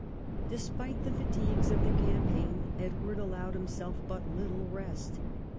Despite the fatigues of the campaign Edward allowed himself but little rest.